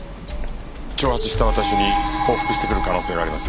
挑発した私に報復してくる可能性があります。